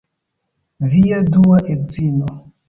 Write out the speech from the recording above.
Via dua edzino